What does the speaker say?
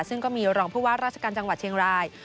ซึ่งก็มีรองผู้ว่าราชการจังหวัดเชียงราย